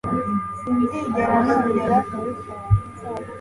sinzigera nongera kubikora